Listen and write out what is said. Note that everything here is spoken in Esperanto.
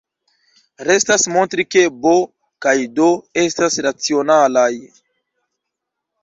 Restas montri ke "b" kaj "d" estas racionalaj.